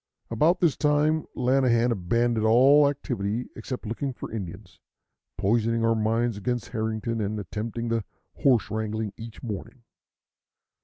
About this time Lanahan abandoned all activity except looking for Indians, poisoning our minds against Harrington, and attempting the "horse wrangling" each morning.